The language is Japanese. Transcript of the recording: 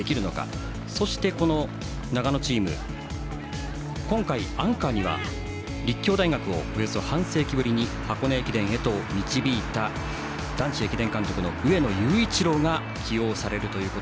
そして、この長野チーム今回アンカーには立教大学をおよそ半世紀ぶりに箱根駅伝へと導いた男子駅伝監督の上野裕一郎が起用されるということ。